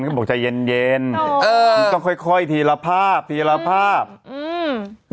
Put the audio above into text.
ก็บอกใจเย็นเย็นเออมันต้องค่อยค่อยทีละภาพทีละภาพอืม